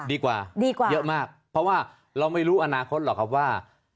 ดีกว่าดีกว่าเยอะมากเพราะว่าเราไม่รู้อนาคตหรอกครับว่า